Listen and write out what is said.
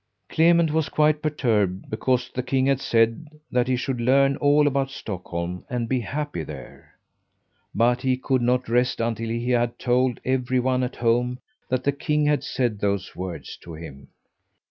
Clement was quite perturbed because the King had said that he should learn all about Stockholm and be happy there. But he could not rest until he had told every one at home that the King had said those words to him.